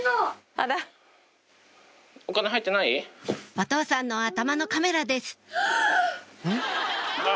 お父さんの頭のカメラですはぁ！